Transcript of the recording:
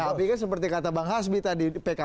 tapi kan seperti kata bang hasbi tadi